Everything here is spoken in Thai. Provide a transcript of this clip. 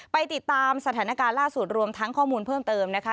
ไปติดตามสถานการณ์ล่าสุดรวมทั้งข้อมูลเพิ่มเติมนะคะ